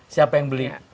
siapa yang beli